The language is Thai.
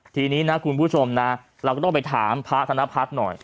ทีนี้นะคุณผู้ชมนะเราก็ต้องไปถามพระธนพัฒน์หน่อย